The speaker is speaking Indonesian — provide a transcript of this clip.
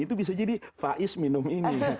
itu bisa jadi faiz minum ini